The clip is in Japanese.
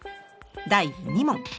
第２問。